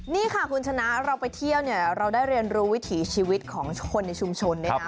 นี่ค่ะคุณชนะเราไปเที่ยวเนี่ยเราได้เรียนรู้วิถีชีวิตของคนในชุมชนด้วยนะ